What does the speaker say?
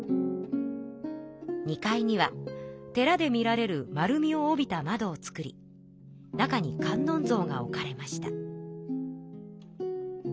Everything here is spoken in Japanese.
２階には寺で見られる丸みを帯びたまどを作り中に観音像が置かれました。